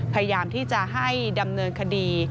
พยายามที่จะให้ดำเนินคดี